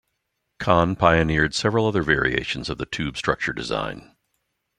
Khan pioneered several other variations of the tube structure design.